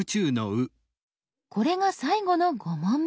これが最後の５問目。